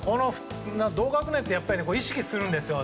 同学年って意識するんですよ。